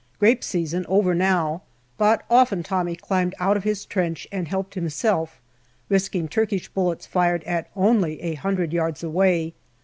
Grape season over now, but often Tommy climbed out of his trench and helped himself, risking Turkish bullets fired at only a hundred yards away.